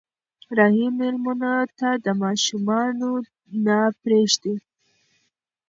رحیم مېلمنو ته ماشومان نه پرېږدي.